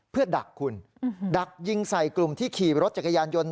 เพื่อดักคุณดักยิงใส่กลุ่มที่ขี่รถจักรยานยนต์